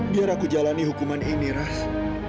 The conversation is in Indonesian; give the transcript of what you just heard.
biar aku jalani hukuman ini ras